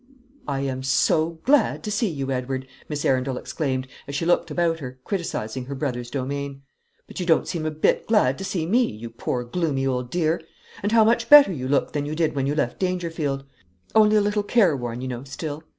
"I am so glad to see you, Edward!" Miss Arundel exclaimed, as she looked about her, criticising her brother's domain; "but you don't seem a bit glad to see me, you poor gloomy old dear. And how much better you look than you did when you left Dangerfield! only a little careworn, you know, still.